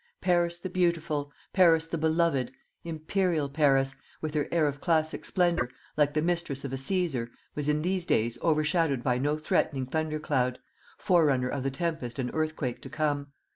Paris the beautiful, Paris the beloved, imperial Paris, with her air of classic splendour, like the mistress of a Caesar, was in these days overshadowed by no threatening thundercloud, forerunner of the tempest and earthquake to come.